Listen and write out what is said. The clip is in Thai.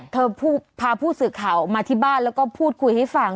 พาผู้สื่อข่าวมาที่บ้านแล้วก็พูดคุยให้ฟัง